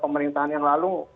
pemerintahan yang lalu